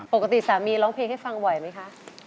ปกติสามีร้องเพลงให้ฟังบ่อยไหมคะ